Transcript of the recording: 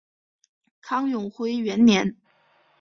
唐永徽元年。